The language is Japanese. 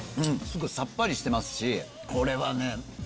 すごいさっぱりしてますしこれはね